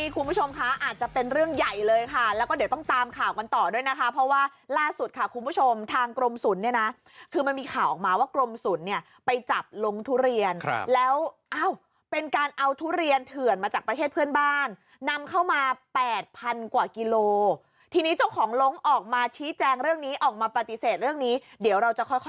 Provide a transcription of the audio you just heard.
คุณผู้ชมคะอาจจะเป็นเรื่องใหญ่เลยค่ะแล้วก็เดี๋ยวต้องตามข่าวกันต่อด้วยนะคะเพราะว่าล่าสุดค่ะคุณผู้ชมทางกรมศูนย์เนี่ยนะคือมันมีข่าวออกมาว่ากรมศูนย์เนี่ยไปจับลงทุเรียนแล้วเป็นการเอาทุเรียนเถื่อนมาจากประเทศเพื่อนบ้านนำเข้ามาแปดพันกว่ากิโลทีนี้เจ้าของลงออกมาชี้แจงเรื่องนี้ออกมาปฏิเสธเรื่องนี้เดี๋ยวเราจะค่อย